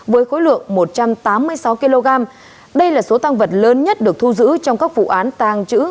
với khối lượng một trăm tám mươi sáu kg đây là số tăng vật lớn nhất được thu giữ trong các vụ án tàng trữ